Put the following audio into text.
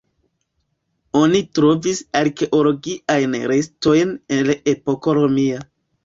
Oni trovis arkeologiajn restojn el epoko romia.